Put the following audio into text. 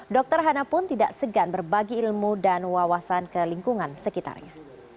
dokter hana pun tidak segan berbagi ilmu dan wawasan ke lingkungan sekitarnya